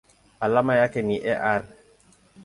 Alama yake ni Ar.